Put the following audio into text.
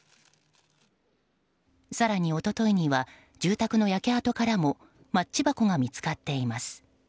更に一昨日には住宅の焼け跡からもマッチ箱が見つかっています。